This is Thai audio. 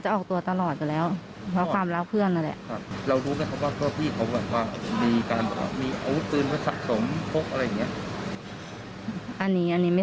จากที่อยู่ปัจจุบัน